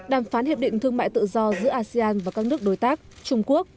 đàm phán hiệp định thương mại tự do giữa asean và các nước đối tác trung quốc